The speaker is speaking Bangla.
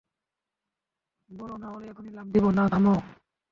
বল নাহলে এখনই লাফ দিব-- না থামো!